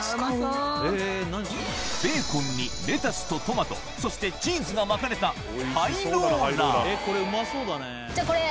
ベーコンにレタスとトマトそしてチーズが巻かれたハイローラーじゃこれ。